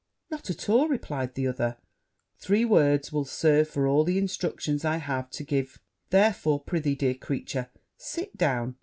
'Not at all,' replied the other; 'three words will serve for all the instructions I have to give; therefore, pr'ythee, dear creature, sit down.'